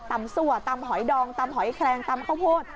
สั่วตำหอยดองตำหอยแคลงตำข้าวโพด